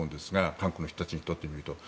韓国の人たちにとってみると。